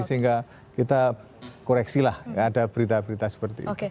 sehingga kita koreksilah ada berita berita seperti itu